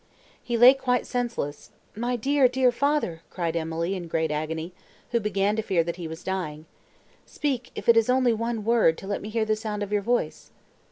He lay quite senseless.—"My dear, dear father!" cried Emily in great agony, who began to fear that he was dying, "speak, if it is only one word to let me hear the sound of your voice!"